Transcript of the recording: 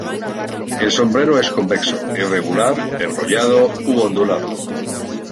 El sombrero es convexo, irregular, enrollado u ondulado.